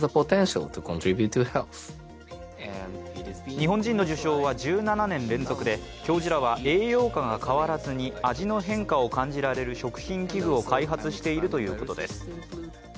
日本人の受賞は１７年連続で教授らは栄養価が変わらずに味の変化を感じられる食品器具を開発しているということです。